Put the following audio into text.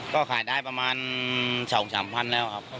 ก็ขายได้ประมาณ๒๓พันแล้วครับ